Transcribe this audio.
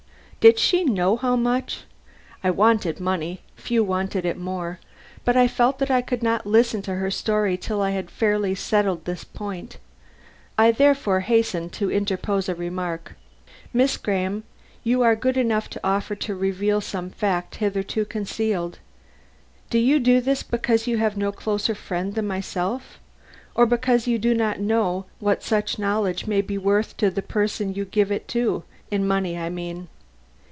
Did she know how much? I wanted money few wanted it more but I felt that I could not listen to her story till I had fairly settled this point. I therefore hastened to interpose a remark: "Miss Graham, you are good enough to offer to reveal some fact hitherto concealed. Do you do this because you have no closer friend than myself, or because you do not know what such knowledge may be worth to the person you give it to in money, I mean?"